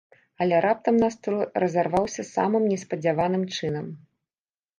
Але раптам настрой разарваўся самым неспадзяваным чынам.